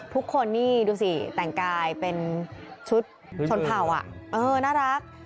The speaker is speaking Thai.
ทุกคนนี่ดูสิแต่งกายเป็นชุดชนเผ่าน่ารัก